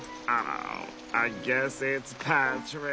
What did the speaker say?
ああ！